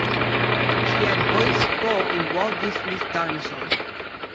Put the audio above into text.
She had voice role in Walt Disney's "Dinosaur".